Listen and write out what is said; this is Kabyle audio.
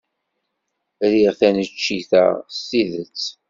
Riɣ taneččit-a s tidet.